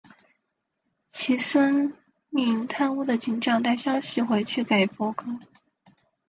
齐森命贪污的警长带消息回去给柏格。